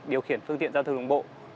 điều khiển phương tiện giao thư đồng bộ